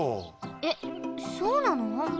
えっそうなの？